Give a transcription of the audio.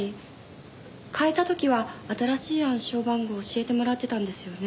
変えた時は新しい暗証番号を教えてもらってたんですよね？